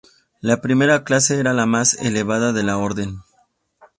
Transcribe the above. La primera clase era la más elevada de la Orden.